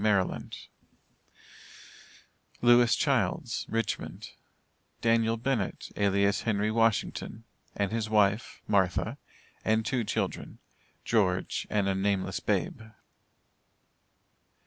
Maryland; LEWIS CHILDS, Richmond, DANIEL BENNETT, alias HENRY WASHINGTON, and wife (MARTHA,) and two children (GEORGE and a nameless babe).